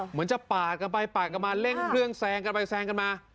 เหมือนจะปากปากปากกับมาเร่งพรึ่งแซงกันไปแซงกันมา